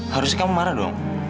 harusnya kamu marah dong